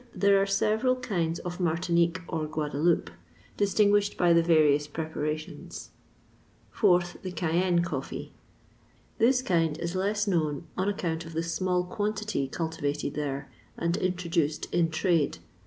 There are several kinds of Martinique or Guadaloupe, distinguished by the various preparations. 4th. The Cayenne coffee. This kind is less known on account of the small quantity cultivated there, and introduced in trade.